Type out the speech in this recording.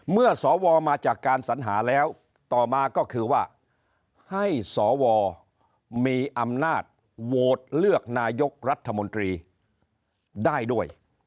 สวมาจากการสัญหาแล้วต่อมาก็คือว่าให้สวมีอำนาจโหวตเลือกนายกรัฐมนตรีได้ด้วย